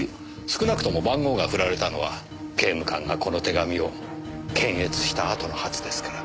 少なくとも番号が振られたのは刑務官がこの手紙を検閲したあとのはずですから。